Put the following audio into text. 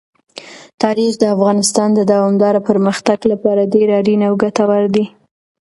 تاریخ د افغانستان د دوامداره پرمختګ لپاره ډېر اړین او ګټور دی.